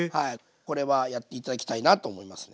これはやって頂きたいなと思いますね。